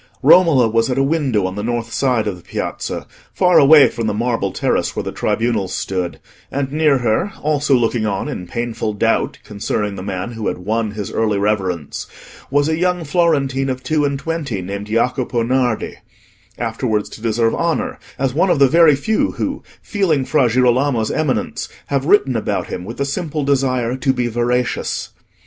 Romola was at a window on the north side of the Piazza, far away from the marble terrace where the tribunals stood; and near her, also looking on in painful doubt concerning the man who had won his early reverence, was a young Florentine of two and twenty, named Jacopo Nardi, afterwards to deserve honour as one of the very few who, feeling Fra Girolamo's eminence, have written about him with the simple desire to be veracious.